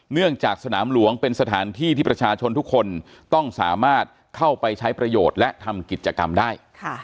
เนื่องจากสนามหลวงเป็นสถานที่ที่ประชาชนทุกคนต้องสามารถเข้าไปใช้ประโยชน์และทำกิจกรรมได้